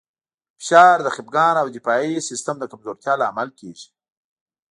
فشار د خپګان او د دفاعي سیستم د کمزورتیا لامل کېږي.